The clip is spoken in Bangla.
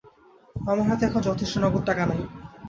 আমার হাতে এখন যথেষ্ট নগদ টাকা নাই।